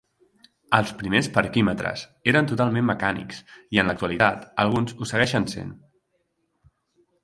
Els primers parquímetres eren totalment mecànics i en l'actualitat alguns ho segueixen sent.